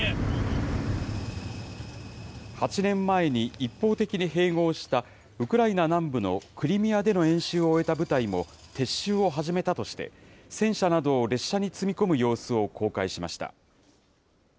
８年前に一方的に併合したウクライナ南部のクリミアでの演習を終えた部隊も撤収を始めたとして、戦車などを列車に積み込む様子を公開しました。